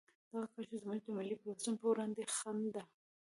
دغه کرښه زموږ د ملي پیوستون په وړاندې خنډ ده.